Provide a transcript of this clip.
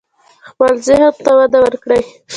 خپل ذهن ته وده ورکړئ.